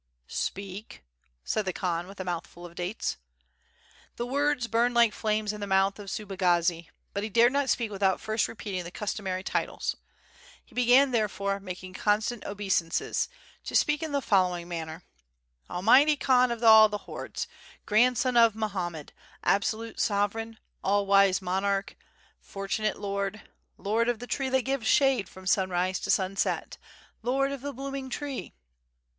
"Speak," said the Khan with a mouthful of dates. The words burned like flames in the mouth of Subagazi but he dared not speak without first repeating the customary titles. He began therefore, making constant obeisances, to speak in the following manner: "Almighty Khan of all the hordes. Grandson of Moham med, Absolute Sovereign, All wise Monarch, Fortunate Lord, Lord of the tree that gives shade from sunrise to sunset. Lord of the blooming tree